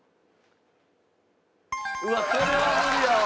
うわそれは無理やわ。